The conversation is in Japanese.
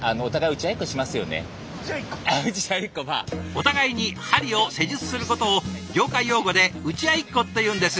お互いに鍼を施術することを業界用語で「打ち合いっこ」っていうんです。